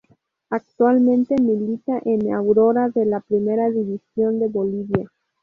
Actualmente milita en Aurora de la Primera División de Bolivia.